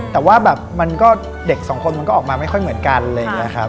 แต่ว่าแบบมันก็เด็ก๒คนมันก็ออกมาไม่ค่อยเหมือนกันเลยนะครับ